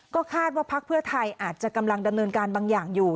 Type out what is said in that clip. ก็คาดว่าพักเพื่อไทยอาจจะกำลังดำเนินการบางอย่างอยู่